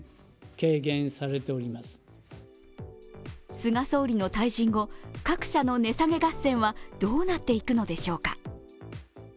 菅総理の退陣後、各社の値下げ合戦はどうなっていくのでしょうか。